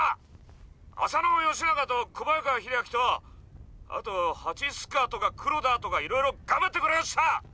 浅野幸長と小早川秀秋とあと蜂須賀とか黒田とかいろいろ頑張ってくれました！